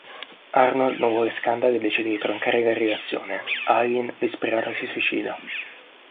Arnold non vuole scandali e decide di troncare la relazione, Eileen disperata si suicida.